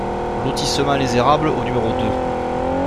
Lotissement Les Érables au numéro deux